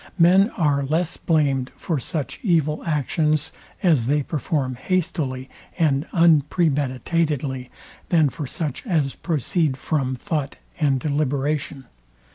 Men are less blamed for such evil actions, as they perform hastily and unpremeditately, than for such as proceed from thought and deliberation.